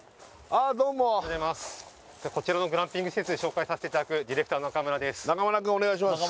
こちらのグランピング施設紹介させていただくディレクターの中村です